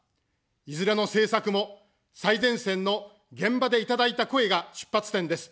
いずれの政策も、最前線の現場でいただいた声が出発点です。